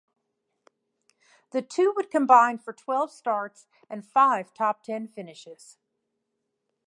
The two would combine for twelve starts and five top-ten finishes.